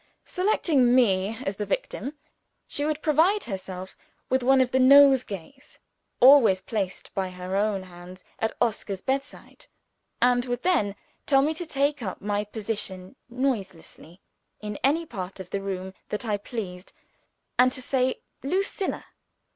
Selecting me as the victim, she would first provide herself with one of the nosegays always placed by her own hands at Oscar's bedside; and would then tell me to take up my position noiselessly in any part of the room that I pleased, and to say "Lucilla."